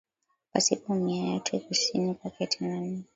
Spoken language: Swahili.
pasipo mimea yote Kusini kwake tena ni